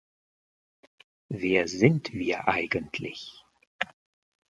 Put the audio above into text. Wer sind wir eigentlich?